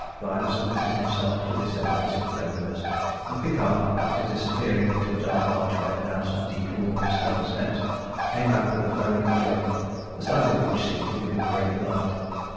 Byner submitted to this evidence of friendliness, and Pickard, after disappearing into a dark archway and down some deeply worn stone steps, came back with a foaming jug, the sight of which seemed to give him great delight.